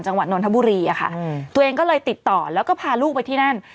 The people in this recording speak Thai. จังหวัดนทบุรีอะค่ะตัวเองก็เลยติดต่อแล้วก็พาลูกไปที่นั่น